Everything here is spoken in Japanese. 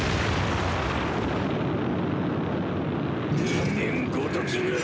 人間ごときが！